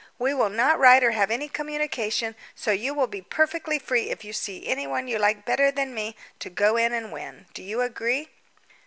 We will not write or have any communication, so you will be perfectly free if you see anyone you like better than me to go in and win. Do you agree?"